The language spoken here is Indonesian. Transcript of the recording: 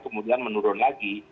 kemudian menurun lagi